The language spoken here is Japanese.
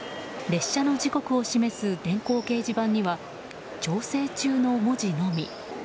列車の時刻を示す電光掲示板には調整中の文字のみ。